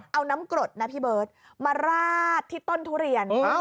เอาน้ำกรดนะพี่เบิร์ตมาราดที่ต้นทุเรียน